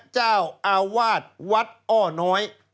เจ้าอาวาสวัดอ้อน้อย